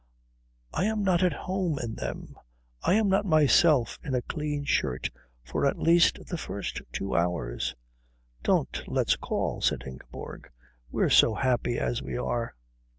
"I am not at home in them. I am not myself in a clean shirt for at least the first two hours." "Don't let's call," said Ingeborg. "We're so happy as we are."